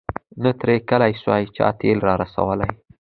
نه تر کلي سوای چا تېل را رسولای